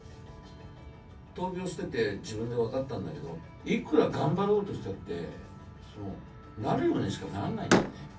闘病してて、自分で分かったんだけど、いくら頑張ろうとしたって、なるようにしかならないんだよね。